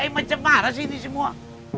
ini bagaimana sih ini semua